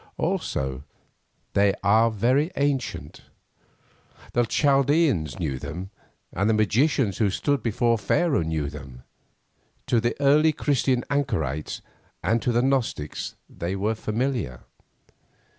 Also, they are very ancient. The Chaldeans knew them, and the magicians who stood before Pharaoh knew them. To the early Christian anchorites and to the gnostics they were familiar.